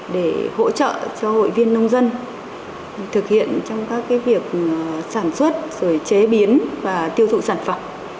để hỗ trợ cho hội viên nông dân thực hiện trong các việc sản xuất chế biến và tiêu thụ sản phẩm